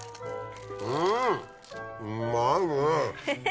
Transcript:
うんうまいね。